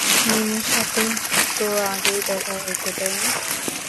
মিমির সাথে তো আগেই দেখা হয়েছে, তাই না?